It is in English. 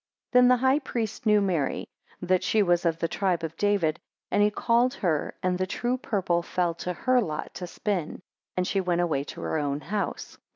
4 Then the high priest knew Mary; that she was of the tribe of David; and he called her, and the true purple fell to her lot to spin, and she went away to her own house.